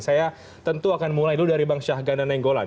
saya tentu akan mulai dulu dari bang syahganda nenggolan